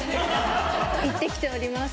行って来ております。